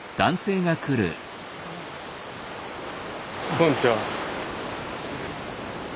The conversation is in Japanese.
こんにちは。